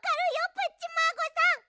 プッチマーゴさん！